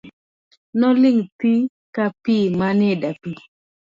Noling' thi kapi mane dapi.